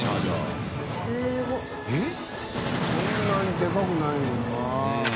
そんなにでかくないのにな。